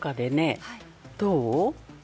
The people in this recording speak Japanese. どう？